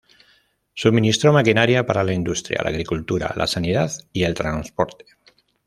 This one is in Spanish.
Suministró maquinaria para la industria, la agricultura, la sanidad y el transporte.